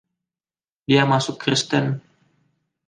Dia masuk Kristen.